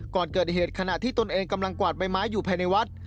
ก่อนเกิดเหตุขณะที่ตนเองกำลังกวาดใบไม้อยู่ภายในวัด